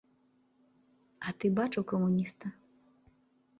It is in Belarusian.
А ты бачыў камуніста?